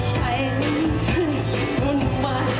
ใจเธอคิดมันล่ะ